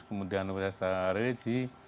kemudian wisata religi